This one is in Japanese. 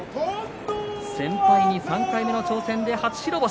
先輩に３回目の挑戦で初白星。